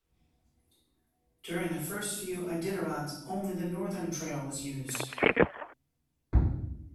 During the first few Iditarods only the northern trail was used.